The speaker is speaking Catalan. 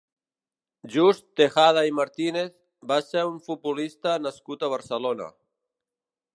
Just Tejada i Martínez va ser un futbolista nascut a Barcelona.